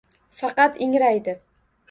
Faqat ingraydi.